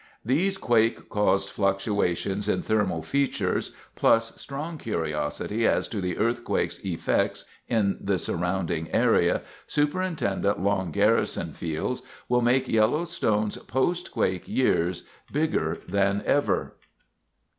These quake caused fluctuations in thermal features, plus strong curiosity as to the earthquake's effects in the surrounding area, Sup't. Lon Garrison feels, will make Yellowstone's post quake years bigger than ever.